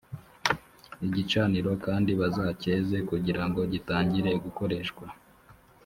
igicaniro kandi bazacyeze kugira ngo gitangire gukoreshwa